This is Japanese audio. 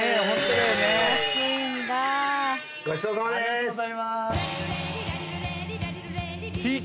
ありがとうございます。